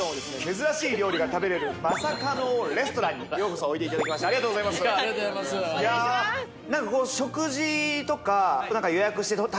珍しい料理が食べれる「マサかのレストラン」にようこそおいでいただきましてありがとうございますありがとうございますいやあります？